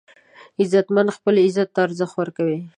غیرتمند خپل عزت ته ارزښت ورکوي